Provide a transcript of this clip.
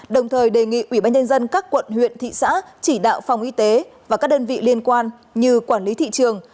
đồng thời đề nghị ủy ban nhân dân các quận huyện thị xã chỉ đạo phòng y tế và các đơn vị liên quan như quản lý thị trường